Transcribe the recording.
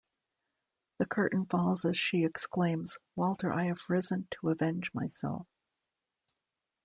The curtain falls as she exclaims: Walter, I have risen to avenge myself.